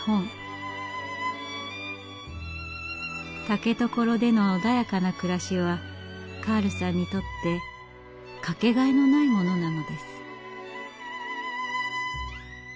竹所での穏やかな暮らしはカールさんにとってかけがえのないものなのです。